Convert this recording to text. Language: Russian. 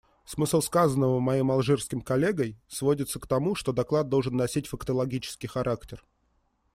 Смысл сказанного моим алжирским коллегой сводится к тому, что доклад должен носить фактологический характер.